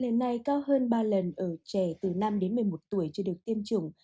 lần này cao hơn ba lần ở trẻ từ năm đến một mươi một tuổi chưa được tiêm chủng